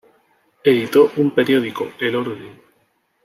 Editó un periódico, "El Orden".